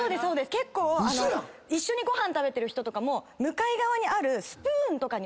結構一緒にご飯食べてる人とかも向かい側にある。